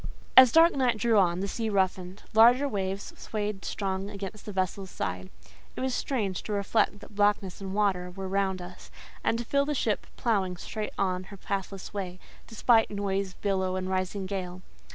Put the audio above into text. As dark night drew on, the sea roughened: larger waves swayed strong against the vessel's side. It was strange to reflect that blackness and water were round us, and to feel the ship ploughing straight on her pathless way, despite noise, billow, and rising gale.